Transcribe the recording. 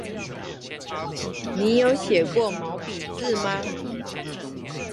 你有寫過毛筆字嗎？